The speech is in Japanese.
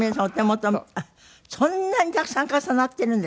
あっそんなにたくさん重なっているんですか？